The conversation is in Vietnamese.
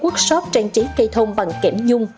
các workshop trang trí cây thông bằng kẻm dung